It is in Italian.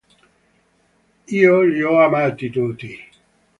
Io li ho amati tutti.